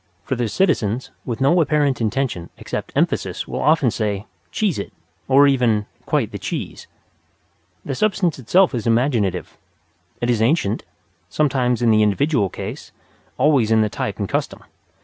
For their citizens, with no apparent intention except emphasis, will often say, "Cheese it!" or even "Quite the cheese." The substance itself is imaginative. It is ancient sometimes in the individual case, always in the type and custom.